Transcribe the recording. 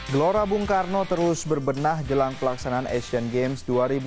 gelora bung karno terus berbenah jelang pelaksanaan asian games dua ribu delapan belas